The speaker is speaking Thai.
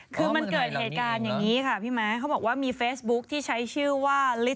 คือมันเกิดเหตุการณ์อย่างนี้ค่ะพี่ม้าเขาบอกว่ามีเฟซบุ๊คที่ใช้ชื่อว่า